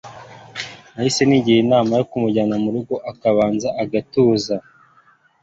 nahise nigira inama yo kumufata nkamujyana murugo akabanza agatuza